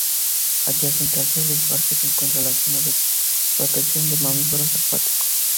Adyacente al sur del parque se encuentra la zona de protección de mamíferos acuáticos.